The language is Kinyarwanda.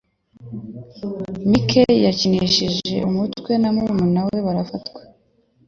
Mike yakinnye umutwe na murumuna barafatwa.